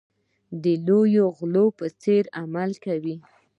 د لویو غلو په څېر عمل کوي.